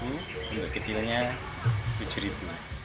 untuk kecilnya rp tujuh